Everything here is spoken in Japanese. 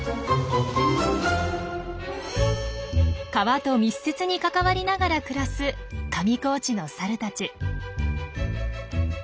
川と密接に関わりながら暮らす上高地のサルたち。